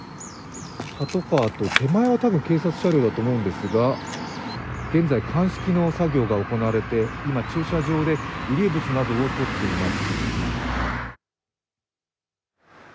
パトカーと手前はたぶん警察車両だと思うんですが現在鑑識の作業が行われて現在、駐車場で遺留物などをとっています。